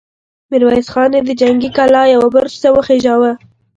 ميرويس خان يې د جنګي کلا يوه برج ته وخېژاوه!